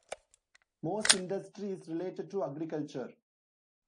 Most industry is related to agriculture.